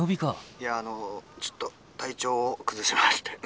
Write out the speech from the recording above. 「いやあのちょっと体調を崩しまして」。